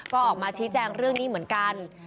ก็ออกมาชี้แจงเรื่องนี้เหมือนกัน